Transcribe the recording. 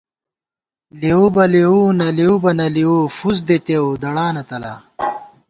لېؤ بہ لېؤ ، نہ لېؤ بہ نہ لېؤ، فُس دِتېؤ دڑانہ تَلا